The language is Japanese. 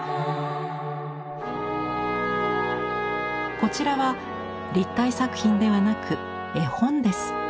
こちらは立体作品ではなく絵本です。